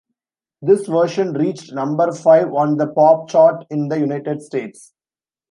This version reached number five on the pop chart in the United States.